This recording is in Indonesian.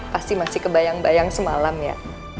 pasti masih kebayang bayang semalam ya